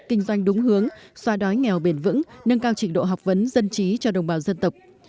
kinh doanh đúng hướng xóa đói nghèo bền vững nâng cao trình độ học vấn dân trí cho đồng bào dân tộc